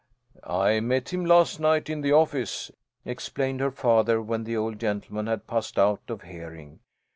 "I met him last night in the office," explained her father, when the old gentleman had passed out of hearing.